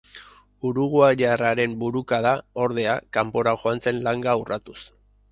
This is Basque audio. Uruguaiarraren burukada, ordea, kanpora joan zen langa urratuz.